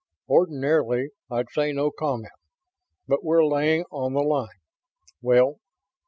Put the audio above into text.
"Ordinarily I'd say 'no comment', but we're laying on the line ... well